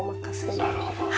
なるほど。